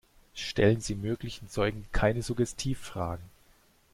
Stellen Sie möglichen Zeugen keine Suggestivfragen.